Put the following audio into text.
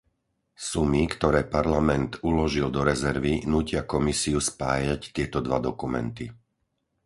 Sumy, ktoré Parlament uložil do rezervy, nútia Komisiu spájať tieto dva dokumenty.